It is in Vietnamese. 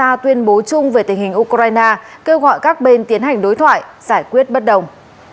nga tuyên bố chung về tình hình ukraine kêu gọi các bên tiến hành đối thoại giải quyết bất đồng